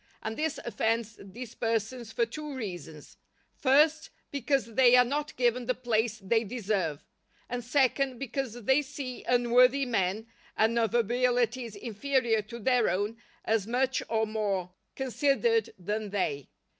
And this offends these persons for two reasons: first, because they are not given the place they deserve; and second, because they see unworthy men and of abilities inferior to their own, as much or more considered than they.